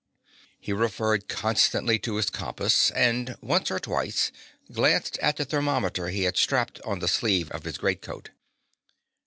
He referred constantly to his compass, and once or twice glanced at the thermometer he had strapped on the sleeve of his great coat.